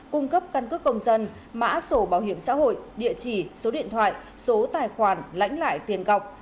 cung cấp căn cước công dân mã sổ bảo hiểm xã hội địa chỉ số điện thoại số tài khoản lãnh lại tiền cọc